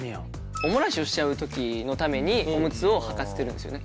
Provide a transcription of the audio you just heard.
お漏らしをしちゃう時のためにオムツをはかせてるんですよね。